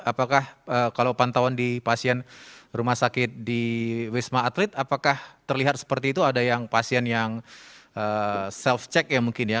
apakah kalau pantauan di pasien rumah sakit di wisma atlet apakah terlihat seperti itu ada yang pasien yang self check ya mungkin ya